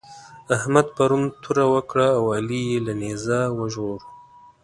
احمد پرون توره وکړه او علي يې له نېزه وژغوره.